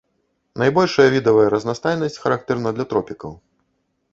Найбольшая відавая разнастайнасць характэрна для тропікаў.